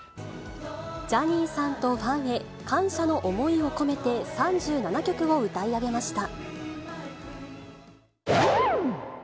ジャニーさんとファンへ、感謝の思いを込めて、３７曲を歌い上げました。